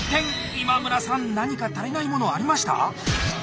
今村さん何か足りないものありました？